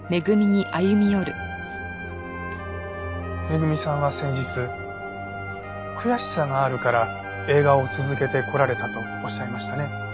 恵さんは先日悔しさがあるから映画を続けてこられたとおっしゃいましたね。